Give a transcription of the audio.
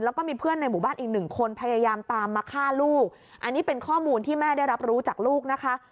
อันนี้เป็นข้อมูลที่แม่ได้รับรู้จากลูกนะคะ